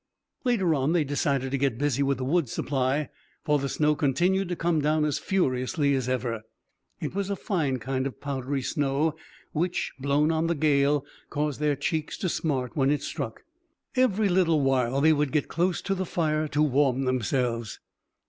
Later on they decided to get busy with the wood supply, for the snow continued to come down as furiously as ever. It was a fine kind of powdery snow, which, blown on the gale, caused their cheeks to smart when it struck. Every little while they would get close to the fire to warm themselves.